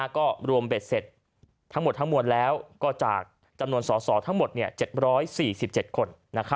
ก็รวมเบ็ดเสร็จทั้งหมดทั้งมวลแล้วก็จากจำนวนสอสอทั้งหมด๗๔๗คน